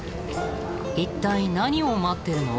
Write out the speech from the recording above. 一体何を待ってるの？